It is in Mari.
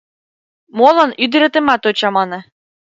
Молан ӱдыретымат от чамане?